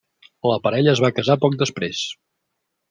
La parella es va casar poc després.